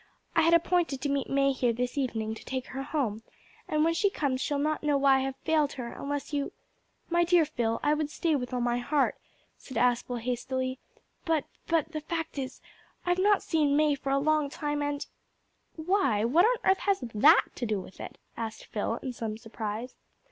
I had appointed to meet May here this evening to take her home, and when she comes she'll not know why I have failed her unless you " "My dear Phil, I would stay with all my heart," said Aspel hastily, "but but the fact is I've not seen May for a long time, and " "Why, what on earth has that to do with it?" asked Phil, in some surprise.